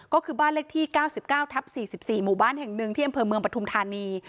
ก็คือบ้านเลขที่๙๙๔๔หมู่บ้านแห่ง๑เที่ยมเผลอเมืองประทุมธารณี